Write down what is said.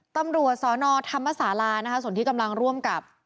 ตำรวจสนธรรมศาลานะคะส่วนที่กำลังร่วมกับ